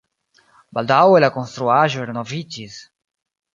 Baldaŭe la konstruaĵo renoviĝis.